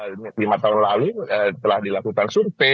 lima tahun lalu telah dilakukan survei